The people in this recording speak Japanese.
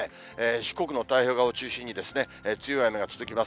四国の太平洋側を中心に強い雨が続きます。